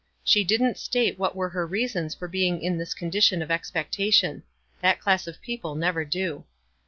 She didn't state what were her reasons for being in this condition of expectation. That class of people never do.